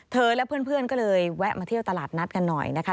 และเพื่อนก็เลยแวะมาเที่ยวตลาดนัดกันหน่อยนะคะ